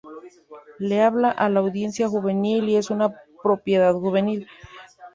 Le habla a la audiencia juvenil y es una propiedad juvenil.